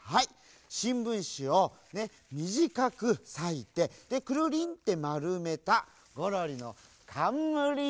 しんぶんしをねみじかくさいてくるりんってまるめたゴロリのかんむり。